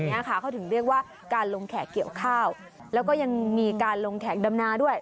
เนี้ยค่ะเขาถึงเรียกว่าการลงแขกเกี่ยวข้าวแล้วก็ยังมีการลงแขกดำนาด้วย